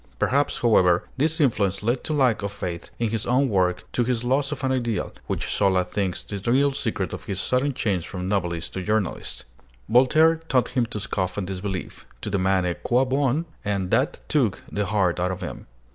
Perhaps, however, this influence led to lack of faith in his own work, to his loss of an ideal, which Zola thinks the real secret of his sudden change from novelist to journalist. Voltaire taught him to scoff and disbelieve, to demand "à quoi bon?" and that took the heart out of him.